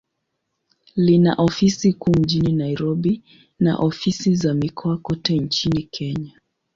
Lina ofisi kuu mjini Nairobi, na ofisi za mikoa kote nchini Kenya.